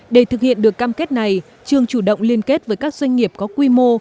để thực hiện được cam kết này trường chủ động liên kết với các doanh nghiệp có quy mô